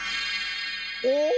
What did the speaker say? お！